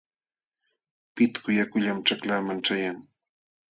Pitku yakullam ćhaklaaman ćhayan.